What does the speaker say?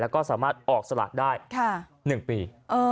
แล้วก็สามารถออกสลากได้๑ปี